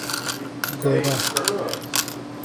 گورا